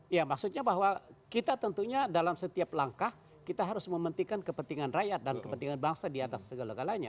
ya maksudnya bahwa kita tentunya dalam setiap langkah kita harus mementingkan kepentingan rakyat dan kepentingan bangsa di atas segala galanya